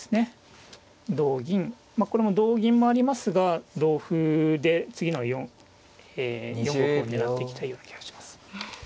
同銀まあこれも同銀もありますが同歩で次の４五歩を狙っていくという気がします。